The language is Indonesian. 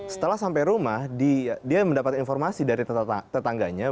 setelah sampai rumah dia mendapat informasi dari tetangganya